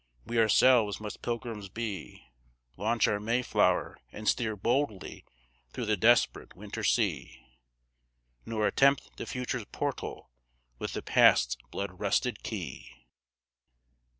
we ourselves must Pilgrims be, Launch our Mayflower, and steer boldly through the desperate winter sea, Nor attempt the Future's portal with the Past's blood rusted key.